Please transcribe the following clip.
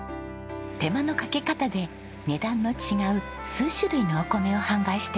手間のかけ方で値段の違う数種類のお米を販売しています。